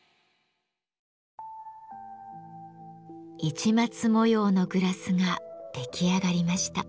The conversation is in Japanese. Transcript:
市松模様のグラスが出来上がりました。